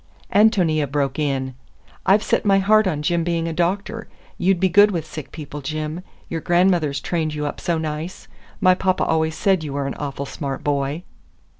Ántonia broke in. "I've set my heart on Jim being a doctor. You'd be good with sick people, Jim. Your grandmother's trained you up so nice. My papa always said you were an awful smart boy."